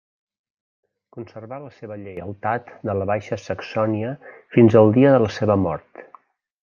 Conservà la seva lleialtat de la Baixa Saxònia fins al dia de la seva mort.